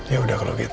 yaudah kalau gitu